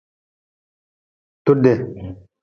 Tude.